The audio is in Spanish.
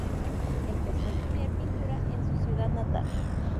Empezó a estudiar pintura en su ciudad natal.